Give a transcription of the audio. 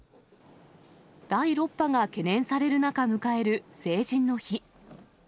第６波が懸念される中、迎える成人の日。